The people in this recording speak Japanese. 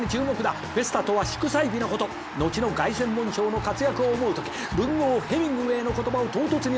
「フェスタとは祝祭日のこと」「後の凱旋門賞の活躍を思うとき文豪ヘミングウェイの言葉を唐突に思い出す」